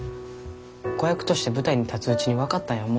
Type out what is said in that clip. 子役として舞台に立つうちに分かったんや思うわ。